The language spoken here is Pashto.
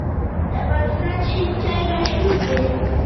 د افغانستان شین چای مشهور دی